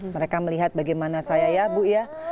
mereka melihat bagaimana saya ya bu ya